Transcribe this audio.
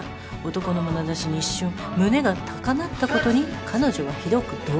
「男のまなざしに一瞬胸が高鳴ったことに彼女はひどく動揺した」